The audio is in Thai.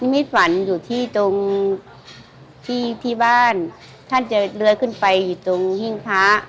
ไม่ฝันอยู่ที่ตรงที่บ้านท่านจะเลือกขึ้นไปอยู่ตรงหิ้งพระ